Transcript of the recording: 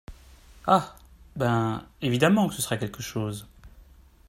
Ah ! ben, évidemment que ce sera quelque chose !